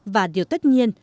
và điều tất nhiên